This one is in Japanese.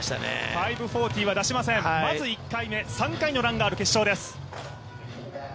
５４０は出しません、まず１回目３回のランがある決勝です。